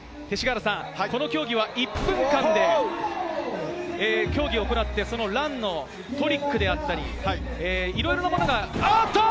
この競技は１分間で競技を行って、そのランのトリックであったり、いろいろなものが、あっと！